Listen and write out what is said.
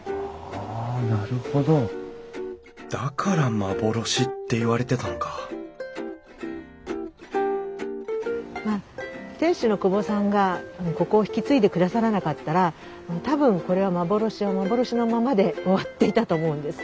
だから「幻」っていわれてたのかまあ店主の久保さんがここを引き継いでくださらなかったら多分これは幻は幻のままで終わっていたと思うんです。